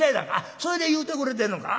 それで言うてくれてんのか。